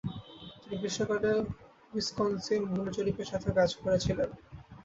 তিনি গ্রীষ্মকালে উইসকনসিন ভূমি জরিপের সাথেও কাজ করেছিলেন।